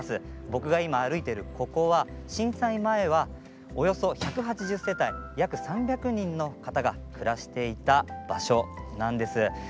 僕が今、歩いているここは震災前はおよそ１８０世帯約３００人の方が暮らしていた場所なんです。